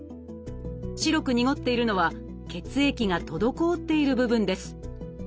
白く濁っているのは血液が滞っている部分です。